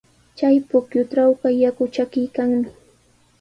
Chay pukyutrawqa yaku chakiykanmi.